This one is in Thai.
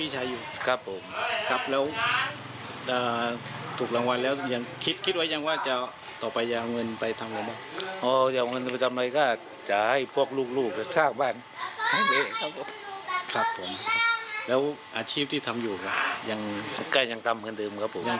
ชุดแก้งอย่างกล้ามเงินเดิมครับผม